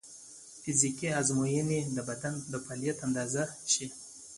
فزیکي ازموینې د بدن د فعالیت اندازه ښيي.